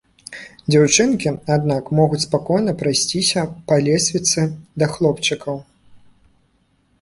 Дзяўчынкі, аднак, могуць спакойна прайсціся па лесвіцы да хлопчыкаў.